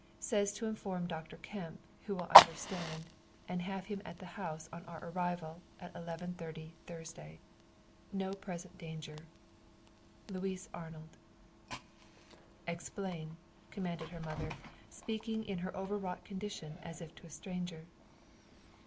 Says to inform Dr. Kemp, who will understand, and have him at the house on our arrival at 11.30 Thursday. No present danger. LOUIS ARNOLD "Explain," commanded her mother, speaking in her overwrought condition as if to a stranger.